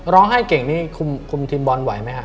ร้องให้เก่งนี่คุมทีมบอลไหวไหมค่ะ